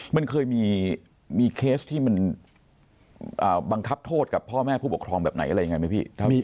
มันเคยมีเคสที่มันบังคับโทษกับพ่อแม่ผู้ปกครองแบบไหนอะไรยังไงไหมพี่